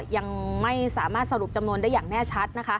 ยังไม่สามารถสรุปจำนวนได้อย่างแน่ชัดนะคะ